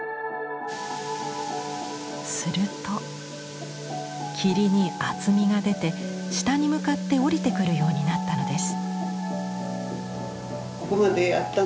すると霧に厚みが出て下に向かって降りてくるようになったのです。